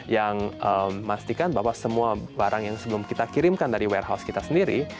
yang memastikan bahwa semua barang yang sebelum kita kirimkan dari warehouse kita sendiri